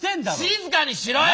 静かにしろよ！